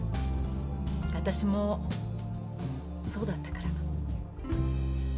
わたしもそうだったから。